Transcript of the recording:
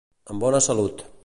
En bona salut.